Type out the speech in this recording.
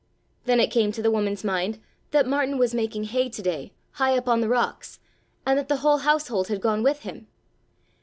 Then it came to the woman's mind that Martin was making hay to day, high up on the rocks, and that the whole household had gone with him.